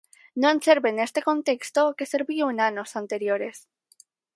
Non serve neste contexto o que serviu en anos anteriores.